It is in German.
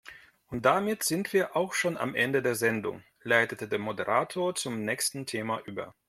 Und damit sind wir auch schon am Ende der Sendung, leitete der Moderator zum nächsten Thema über.